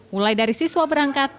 mulai dari siswa berangkat